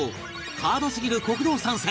ハードすぎる酷道３選